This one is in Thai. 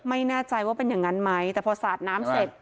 ไม่แน่ใจว่าเป็นอย่างนั้นไหมแต่พอสาดน้ำเสร็จ